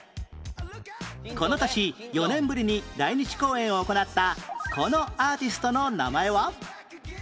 この年４年ぶりに来日公演を行ったこのアーティストの名前は？